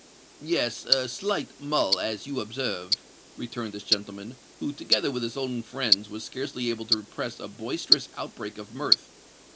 "Yes—a slight mull, as you observe," returned this gentleman, who, together with his own friends, was scarcely able to repress a boisterous outbreak of mirth.